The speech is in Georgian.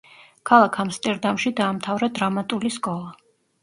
ქალაქ ამსტერდამში დაამთავრა დრამატული სკოლა.